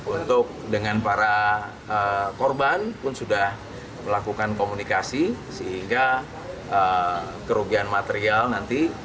untuk dengan para korban pun sudah melakukan komunikasi sehingga kerugian material nanti